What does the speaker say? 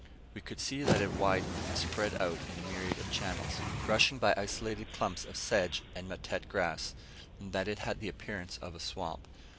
We could see that it widened and spread out in a myriad of channels, rushing by isolated clumps of sedge and matete grass; and that it had the appearance of a swamp.